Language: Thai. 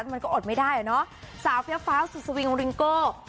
มันก็อดไม่ได้อ่ะเนอะสาวเฟี้ยฟ้าสุดสวิงริงโก้